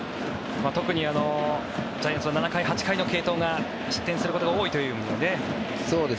特にジャイアンツは７回、８回の継投が失点することが多いという。